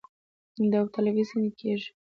داوطلبي څنګه کیږي؟